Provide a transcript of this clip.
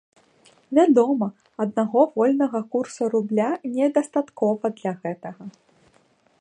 Вядома, аднаго вольнага курса рубля недастаткова для гэтага.